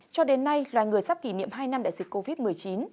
cho đến nay loài người sắp kỷ niệm hai năm đại dịch covid một mươi chín